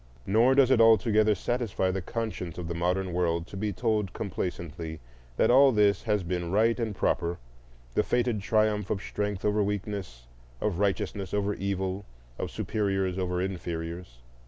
Nor does it altogether satisfy the conscience of the modern world to be told complacently that all this has been right and proper, the fated triumph of strength over weakness, of righteousness over evil, of superiors over inferiors.